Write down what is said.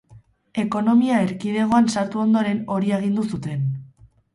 Ekonomia Erkidegoan sartu ondoren hori agindu zuten.